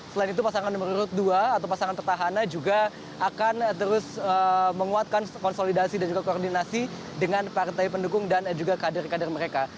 selain itu pasangan nomor dua atau pasangan petahana juga akan terus menguatkan konsolidasi dan juga koordinasi dengan partai pendukung dan juga kader kader mereka